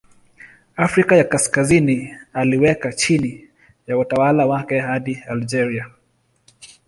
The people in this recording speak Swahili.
Afrika ya Kaskazini aliweka chini ya utawala wake hadi Algeria.